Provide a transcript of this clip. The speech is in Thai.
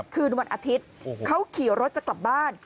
คืนวันอาทิตย์เขาขี่รถจะกลับบ้าน